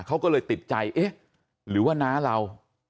เขาก็เลยติดใจเอ๊ะหรือว่าน้าเรา